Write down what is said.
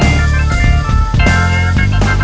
awas dah terbang